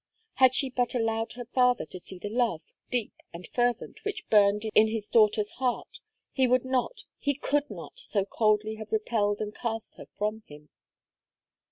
Had she but allowed her father to see the love, deep and fervent, which burned in his daughter's heart he would not, he could not so coldly have repelled and cast her from him.